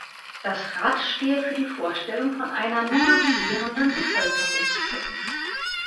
Das Rad stehe für die Vorstellung von einer "nomadisierenden" Bevölkerungsgruppe.